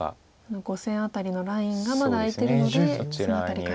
５線辺りのラインがまだ空いてるのでその辺りから。